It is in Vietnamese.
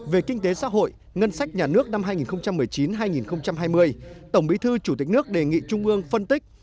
về kinh tế xã hội ngân sách nhà nước năm hai nghìn một mươi chín hai nghìn hai mươi tổng bí thư chủ tịch nước đề nghị trung ương phân tích